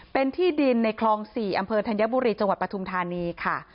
เป็นที่ดินในคลอง๔อำเภอธัญบุรีจังหวัดปทุมธานีค่ะ